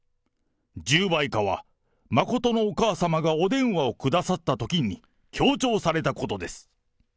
十倍化は、真のお母様がお電話をくださったときに、強調されたことです。